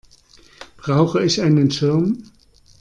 Brauche ich einen Schirm?